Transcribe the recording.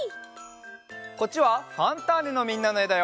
こっちは「ファンターネ！」のみんなのえだよ。